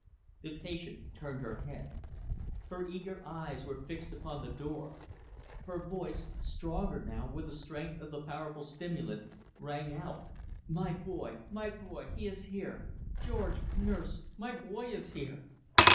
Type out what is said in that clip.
The patient turned her head. Her eager eyes were fixed upon the door; her voice stronger, now, with the strength of the powerful stimulant rang out; "My boy my boy he is here! George, nurse, my boy is here!"